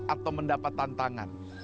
atau mendapat tantangan